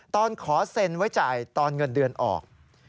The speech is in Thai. ขอเซ็นไว้จ่ายตอนเงินเดือนออก